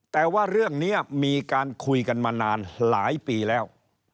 แต่ว่าเรื่องนี้มีการคุยกันมานานหลายปีแล้ว